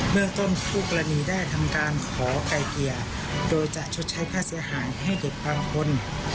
เมืองต้นคู่กรณีได้ทำการขอไกลเกลี่ยโดยจะชดใช้ค่าเสียหายให้เด็กบางคน